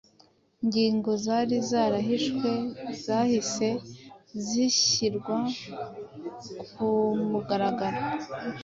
Ingingo zari zarahishwe zahise zishyirwa ku mugaragaro.